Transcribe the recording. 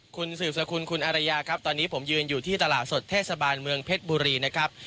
คุณสืบสกุลคุณอารยาครับตอนนี้ผมยืนอยู่ที่ตลาดสดเทศบาลเมืองเพชรบุรีนะครับ